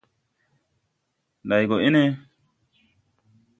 Nday gɔ ene?